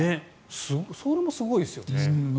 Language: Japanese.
それもすごいですよね。